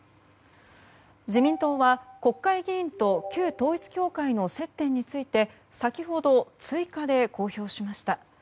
自民党は国会議員と旧統一教会の接点について先ほど追加で公表しました。